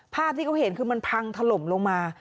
ภาพที่เขาเห็นคือมันพังถล่มลงมา